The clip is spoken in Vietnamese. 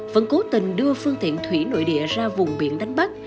vẫn cố tình đưa phương tiện thủy nội địa ra vùng biển đánh bắt